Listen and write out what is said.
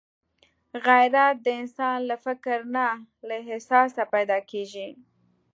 غیرت د انسان له فکره نه، له احساسه پیدا کېږي